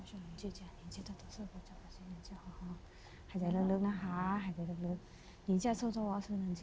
หายใจลึกนะคะ